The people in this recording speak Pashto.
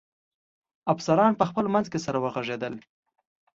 افسران په خپل منځ کې سره و غږېدل.